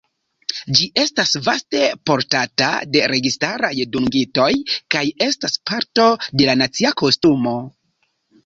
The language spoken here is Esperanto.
Ĝi estas vaste portata de registaraj dungitoj, kaj estas parto de la nacia kostumo.